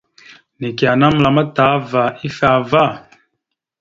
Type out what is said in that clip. Neke ana məlam ataha ava ifevá.